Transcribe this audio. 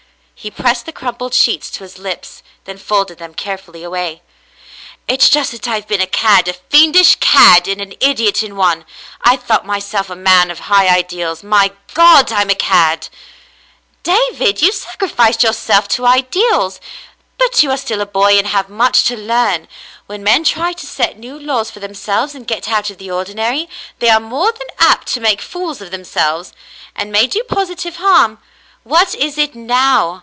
He pressed the crumpled sheets to his lips, then folded them care fully away. "It's just that I've been a cad — a fiendish cad and an idiot in one. I thought myself a man of high ideals — My God, I am a cad !" "David, you sacrificed yourself to ideals, but you are still a boy and have much to learn. When men try to set new laws for themselves and get out of the ordinary, they are more than apt to make fools of themselves, and may do positive harm. What is it now